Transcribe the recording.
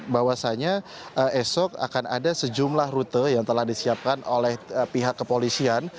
bahwasannya esok akan ada sejumlah rute yang telah disiapkan oleh pihak kepolisian